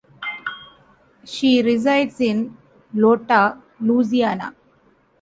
She resides in Iota, Louisiana.